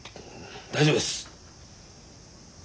大丈夫です。